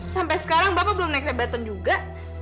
sampai sekarang bapak belum naik jabatan juga